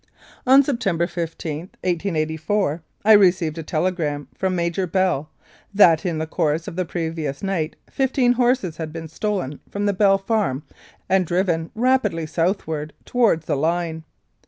On September 15, 1884, I received a telegram from Major Bell, that in the course of the previous night fifteen horses had been stolen from the Bell Farm and driven rapidly southwards towards the line.